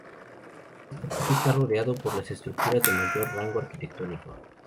Este patio está rodeado por las estructuras de mayor rango arquitectónico.